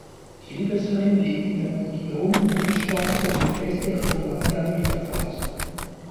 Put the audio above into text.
Ilbesheim liegt in der Region Weinstraße südwestlich von Landau in der Pfalz.